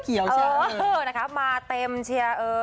เออนะคะมาเต็มเชียร์เอ้อ